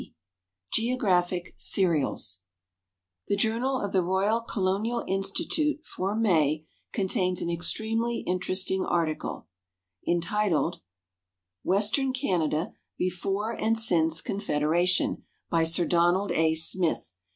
G. GEOGRAPHIC SERIALS The Journal of the Royal Colonial Institute for Maj contains an extremely mteresting article, entitled "Western Canada Before and Since Confed eration," by Sir Donald A. Smith.